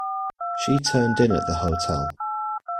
She turned in at the hotel.